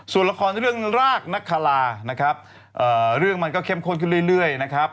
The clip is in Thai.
ส่วนละครเรื่องรากนักคารานะครับเรื่องมันก็เข้มข้นขึ้นเรื่อยนะครับ